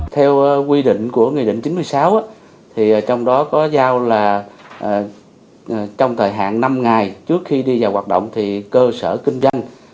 theo quy định của nghị định chín mươi sáu trong đó có giao là trong thời hạn năm ngày trước khi đi vào hoạt động thì cơ sở kinh doanh